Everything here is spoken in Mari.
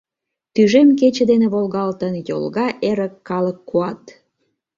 Тӱжем кече дене волгалтын, Йолга эрык калык куат…